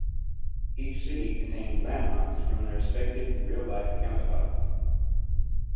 Each city contains landmarks from their respective real life counterparts.